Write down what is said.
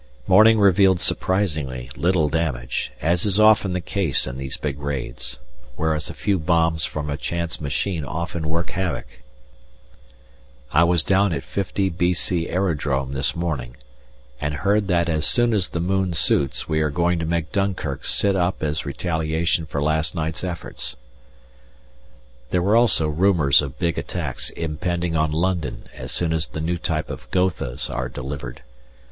Morning revealed surprisingly little damage, as is often the case in these big raids, whereas a few bombs from a chance machine often work havoc. I was down at 50 B.C. aerodrome this morning, and heard that as soon as the moon suits we are going to make Dunkirk sit up as retaliation for last night's efforts. There were also rumours of big attacks impending on London as soon as the new type of Gothas are delivered.